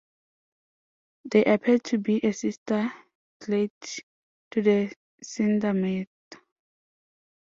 They appear to be a sister clade to the Syndermata.